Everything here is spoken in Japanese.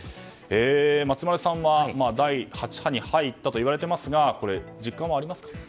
松丸さんは第８波に入ったといわれていますが実感はありますか？